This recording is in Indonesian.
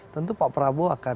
tentu pak prabowo akan